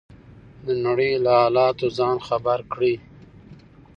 د نړۍ له حالاتو ځان خبر کړئ.